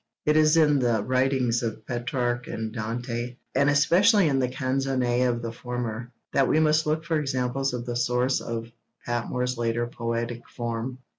It is in the writings of Petrarch and Dante, and especially in the Canzoniere of the former, that we must look for examples of the source of Patmore's later poetic form.